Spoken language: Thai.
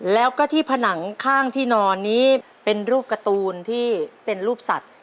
แล้วก็ที่ผนังข้างที่นอนนี้เป็นรูปการ์ตูนที่เป็นรูปสัตว์